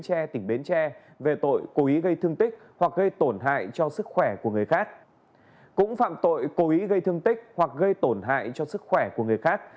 cũng phạm tội cố ý gây thương tích hoặc gây tổn hại cho sức khỏe của người khác